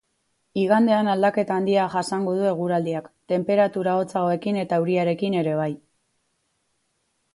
Igandean aldaketa handia jasango du eguraldiak, tenperatura hotzagoekin eta euriarekin ere bai.